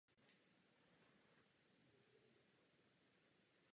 Osídlení areálu obce je známo již z pravěku.